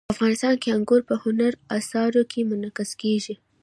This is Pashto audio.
افغانستان کې انګور په هنري اثارو کې منعکس کېږي.